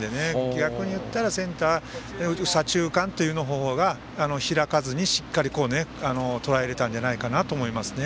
逆にいったらセンター、左中間の方が開かずにしっかりとらえられたんじゃないかと思います。